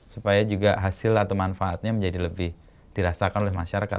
supaya juga hasil atau manfaatnya menjadi lebih dirasakan oleh masyarakat